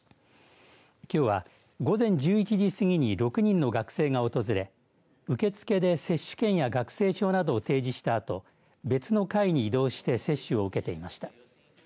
きょうは、午前１１時過ぎに６人の学生が訪れ受け付けで接種券や学生証などを提示したあと別の階に移動して接種を受けていました。